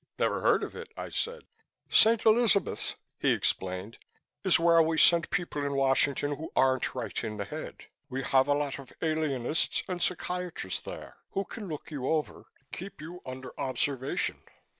"Never heard of it," I said. "St. Elizabeth's," he explained, "is where we send people in Washington who aren't right in the head. We have a lot of alienists and psychiatrists there who can look you over, keep you under observation.